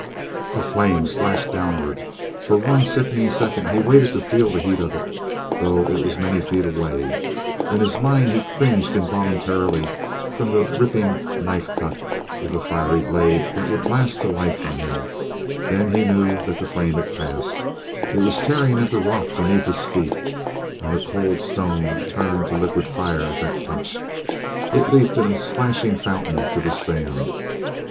A flame slashed downward. For one sickening second he waited to feel the heat of it, though it was many feet away; in his mind he cringed involuntarily from the ripping knife cut of the fiery blade that would blast the life from him; then he knew that the flame had passed—it was tearing at the rock beneath his feet. And the cold stone turned to liquid fire at that touch. It leaped in a splashing fountain to the sand.